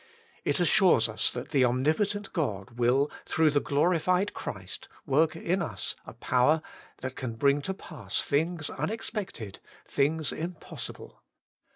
It assures us that the Omnipotent God will, through the glorified Christ, work in us a power that can bring to pass things imexpected, things impossible.